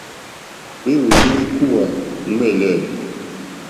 Hwéwòló hwékúwà ɱwɛ̂lɛ̂.